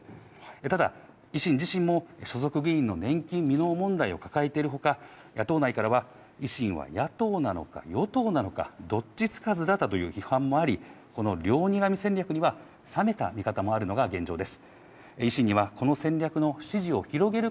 ただ、維新自身も所属議員の年金未納問題を抱えているほか、野党内からは維新は野党なのか、与党なのか、どっちつかずだったという批判もあり、この両にらみ戦略には冷めた見方もあるのが現状です。